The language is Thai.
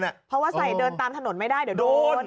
เพราะว่าใส่เดินตามถนนไม่ได้เดี๋ยวโดน